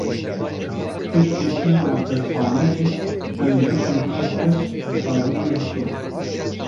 Piştî çûna avdestxaneyê, em destên xwe baş bi sabûnê bişon.